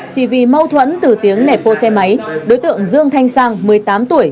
chỉ vì mâu thuẫn từ tiếng nẻp ô xe máy đối tượng dương thanh sang một mươi tám tuổi